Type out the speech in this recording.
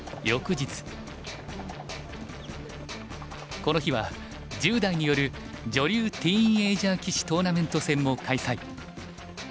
この日は１０代による女流ティーンエージャー棋士トーナメント戦も開催。